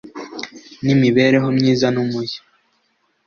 n imibereho myiza n umuco